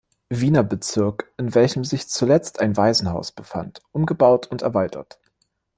Wiener Bezirk, in welchem sich zuletzt ein Waisenhaus befand, umgebaut und erweitert.